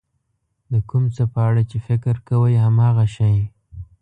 د کوم څه په اړه چې فکر کوئ هماغه شی.